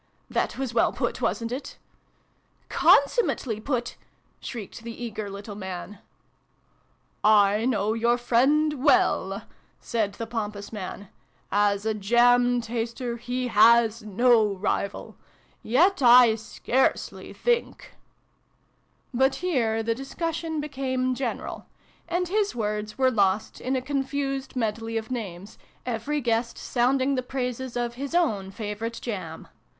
' That was well put, wasnt it ?"" Consummately put !" shrieked the eager little man. x] JABBERING AND JAM. 151 " I know your friend well," said the pompous man. "As a jam taster, he has no rival! Yet I scarcely think But here the discussion became general : and his words were lost in a confused medley of names, every guest sounding the praises of his own favorite jam.